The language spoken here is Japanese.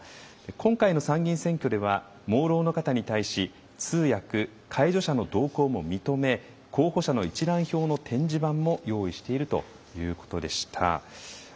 「今回の参議院選挙では盲ろうの方に対し通訳・介助者の同行も認め候補者の一覧表の点字版も用意している」ということでした。